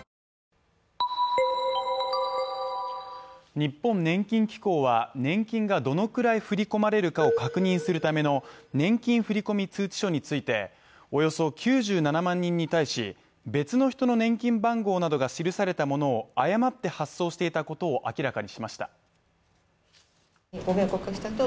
日本年金機構は年金がどのくらい振り込まれるかを確認するための年金振込通知書について、およそ９７万人に対し別の人の年金番号などが記されたものを誤って発送していたことを明らかにしました。